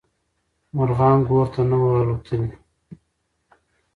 مارغان ګور ته نه وو الوتلي.